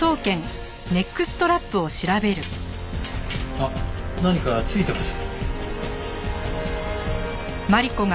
あっ何か付いてます。